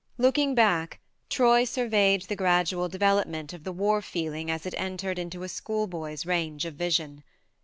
Looking back, Troy surveyed the gradual development of the war feeling as it entered into a schoolboy's range of vision.